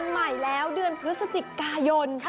ใหม่แล้วเดือนพฤศจิกายน